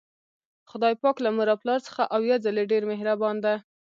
خدای پاک له مور او پلار څخه اویا ځلې ډیر مهربان ده